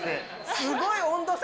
すごい温度差。